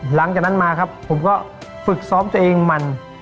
หลังจากนั้นมาครับผมก็ฝึกซ้อมตัวเองมัน